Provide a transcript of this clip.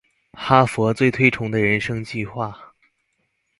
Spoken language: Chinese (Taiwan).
哈佛最推崇的人生計畫